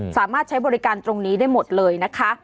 สามารถใช้บริการตรงนี้ได้หมดเลยนะคะ